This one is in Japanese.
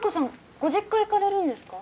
ご実家行かれるんですか？